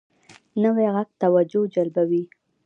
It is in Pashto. نوی غږ توجه جلبوي